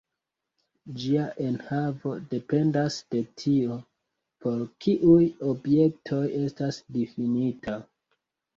Ĝia enhavo dependas de tio, por kiuj objektoj estas difinita.